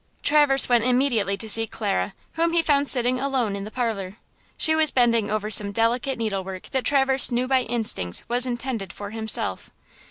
Traverse went immediately to seek Clara, whom he found sitting alone in the parlor. She was bending over some delicate needlework that Traverse knew by instinct was intended for himself.